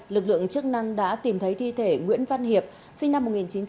lực lượng chức năng đã tìm thấy thi thể nguyễn văn hiệp sinh năm một nghìn chín trăm tám mươi